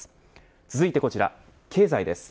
続いてこちら経済です。